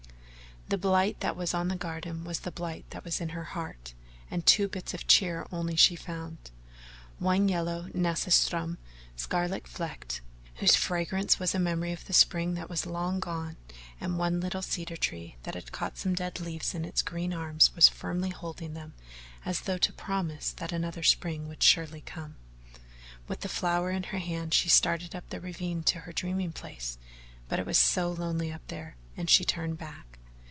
The blight that was on the garden was the blight that was in her heart, and two bits of cheer only she found one yellow nasturtium, scarlet flecked, whose fragrance was a memory of the spring that was long gone, and one little cedar tree that had caught some dead leaves in its green arms and was firmly holding them as though to promise that another spring would surely come. With the flower in her hand, she started up the ravine to her dreaming place, but it was so lonely up there and she turned back.